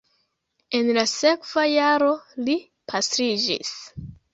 En la sekva jaro li pastriĝis.